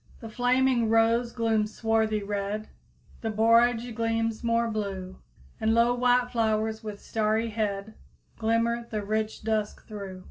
"The flaming rose glooms swarthy red; The borage gleams more blue; And low white flowers, with starry head, Glimmer the rich dusk through."